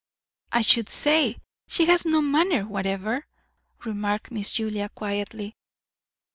"I should say, she has no manner whatever," remarked Miss Julia quietly.